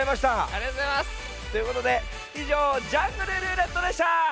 ありがとうございます！ということでいじょう「ジャングルるーれっと」でした！